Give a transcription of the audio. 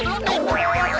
enggak enggak enggak